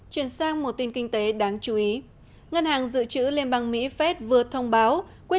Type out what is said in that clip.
chuyển sang một tin kinh tế đáng chú ý ngân hàng dự trữ liên bang mỹ fed vừa thông báo quyết